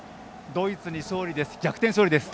ドイツに逆転勝利です。